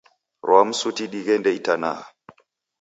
Rwa msuti dighende itanaha.